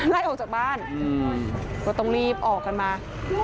ไล่ออกจากบ้านก็ต้องรีบออกกันมา